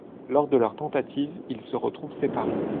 Lors de leur tentative, ils se retrouvent séparés.